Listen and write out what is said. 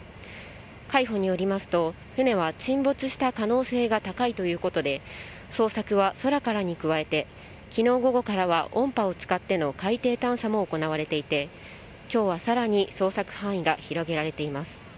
海保によりますと、船は沈没した可能性が高いということで、捜索は空からに加えて、きのう午後からは音波を使っての海底探査も行われていて、きょうはさらに捜索範囲が広げられています。